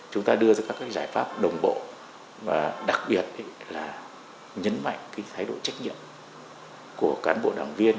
chúng ta đưa ra các giải pháp đồng bộ và đặc biệt là nhấn mạnh cái thái độ trách nhiệm của cán bộ đảng viên